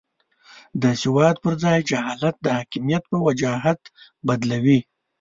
د سواد پر ځای جهالت د حاکمیت په وجاهت بدلوي.